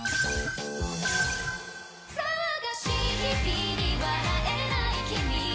「騒がしい日々に笑えない君に」